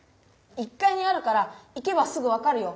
１かいにあるから行けばすぐ分かるよ。